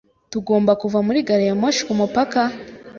Tugomba kuva muri gari ya moshi kumupaka?